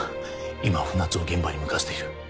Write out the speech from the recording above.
今船津を現場に向かわせている。